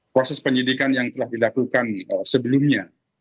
proses penyidikan yang telah dilakukan sebelumnya